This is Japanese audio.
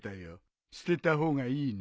捨てた方がいいね。